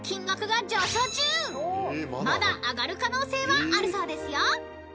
［まだ上がる可能性はあるそうですよ］